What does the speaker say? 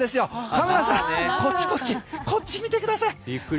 カメラさんこっちこっち見てください。